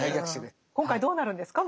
今回どうなるんですか？